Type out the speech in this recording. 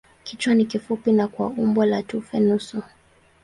Kichwa ni kifupi na kwa umbo la tufe nusu.